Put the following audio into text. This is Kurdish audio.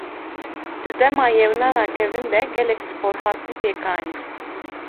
Di dema Yewnana kevin de gelek Spor hatin pêk anîn.